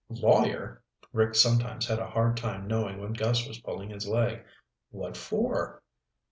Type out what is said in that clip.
"Lawyer?" Rick sometimes had a hard time knowing when Gus was pulling his leg. "What for?"